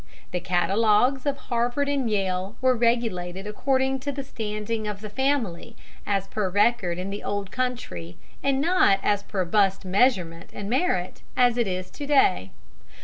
The catalogues of Harvard and Yale were regulated according to the standing of the family as per record in the old country, and not as per bust measurement and merit, as it is to day.